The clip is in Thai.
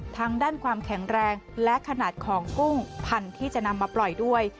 ทั้งด้านความแข็งแรงและขนาดของกุ้งพันธุ์ที่จะนำมาปล่อยด้วย